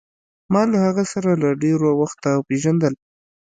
ما له هغه سره له ډېره وخته پېژندل.